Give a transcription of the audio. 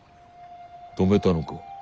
止めたのか？